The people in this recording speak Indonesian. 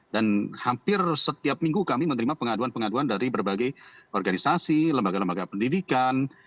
dan hampir setiap minggu kami menerima pengaduan pengaduan dari berbagai organisasi lembaga lembaga pendidikan